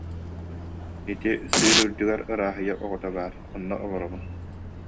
Ити сыыр үрдүгэр ырааһыйа оҕото баар, онно олоробун